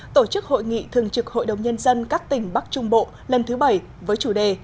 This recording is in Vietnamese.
tổ chức hội nghị thường trực hội đồng nhân dân các tỉnh bắc trung bộ lần thứ bảy với chủ đề